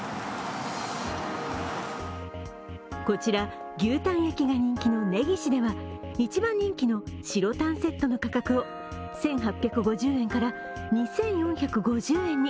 こちら牛タン焼きが人気のねぎしでは１番人気のしろたんセットの価格を１８５０円から２４５０円に。